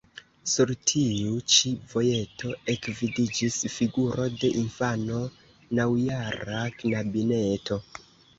Sur tiu ĉi vojeto ekvidiĝis figuro de infano, naŭjara knabineto.